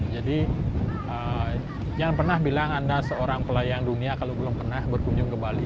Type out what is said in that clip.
jangan pernah bilang anda seorang pelayang dunia kalau belum pernah berkunjung ke bali